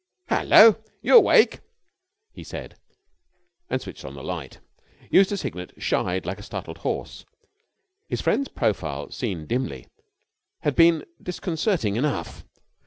"Hullo! You awake?" he said and switched on the light. Eustace Hignett shied like a startled horse. His friend's profile, seen dimly, had been disconcerting enough.